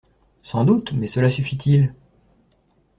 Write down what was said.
Sans doute, mais cela suffit-Il ?